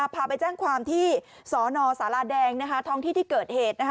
พาไปแจ้งความที่สนสาราแดงท้องที่ที่เกิดเหตุ